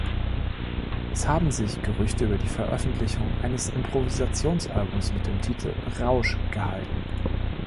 Es haben sich Gerüchte über die Veröffentlichung eines Improvisationsalbums mit dem Titel „Rausch“ gehalten.